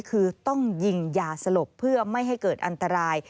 คือต้องยิงยาสลบเพื่อไม่ให้เกิดอันตราย